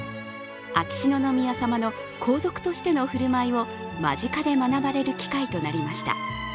秋篠宮さまの皇族としての振る舞いを間近で学ばれる機会となりました。